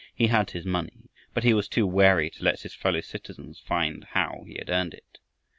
He had his money, but he was too wary to let his fellow citizens find how he had earned it.